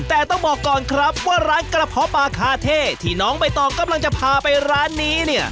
แต่ต้องบอกก่อนครับว่าร้านกระเพาะปลาคาเท่ที่น้องใบตองกำลังจะพาไปร้านนี้เนี่ย